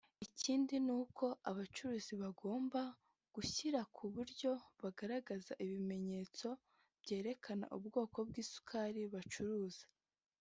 Ikindi ni uko abacuruzi bagomba gushyira ku buryo bugaragara ibimenyetso byerekana ubwoko bw’isukari bacuruza